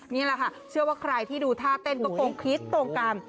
นี่แหละค่ะเชื่อว่าใครที่ดูท่าเต้นก็คงคริสต์ตรงกัน